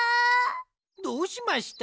どうしました？